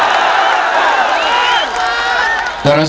sekarang kita laksanakan